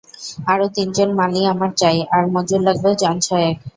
আরো তিনজন মালী আমার চাই, আর মজুর লাগবে জন ছয়েক।